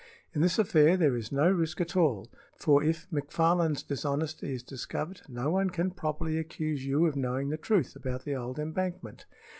In this affair there is no risk at all, for if McFarland's dishonesty is discovered no one can properly accuse you of knowing the truth about the old embankment.